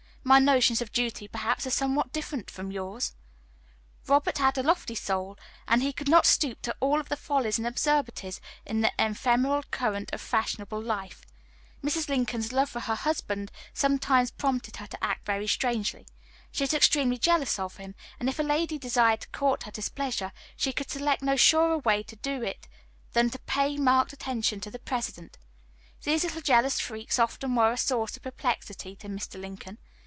My notions of duty, perhaps, are somewhat different from yours." Robert had a lofty soul, and he could not stoop to all of the follies and absurdities of the ephemeral current of fashionable life. Mrs. Lincoln's love for her husband sometimes prompted her to act very strangely. She was extremely jealous of him, and if a lady desired to court her displeasure, she could select no surer way to do it than to pay marked attention to the President. These little jealous freaks often were a source of perplexity to Mr. Lincoln.